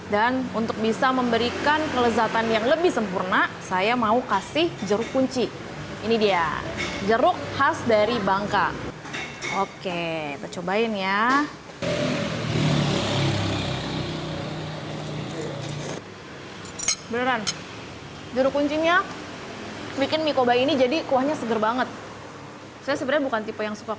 dan untuk bisa memberikan kelezatan yang lebih sempurna saya mau kasih jeruk kunci